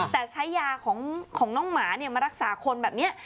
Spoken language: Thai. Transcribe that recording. แต่ใช้ยาของของน้องหมาเนี่ยมารักษาคนแบบเนี้ย